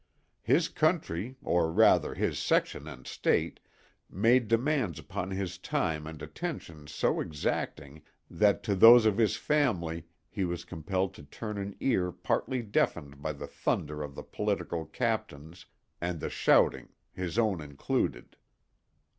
His country, or rather his section and State, made demands upon his time and attention so exacting that to those of his family he was compelled to turn an ear partly deafened by the thunder of the political captains and the shouting, his own included.